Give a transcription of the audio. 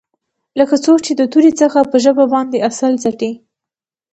لکه څوک چې د تورې څخه په ژبه باندې عسل څټي.